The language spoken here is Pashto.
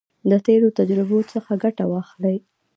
د تیرو تجربو څخه ګټه واخلئ.